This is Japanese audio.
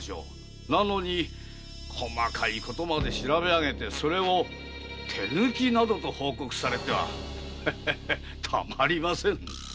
なのに細かいことまで調べ上げてそれを手抜きなどと報告されてはたまりません。